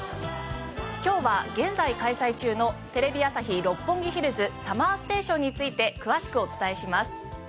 今日は現在開催中のテレビ朝日・六本木ヒルズＳＵＭＭＥＲＳＴＡＴＩＯＮについて詳しくお伝えします。